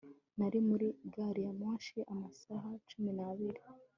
Nari muri gari ya moshi amasaha cumi nabiri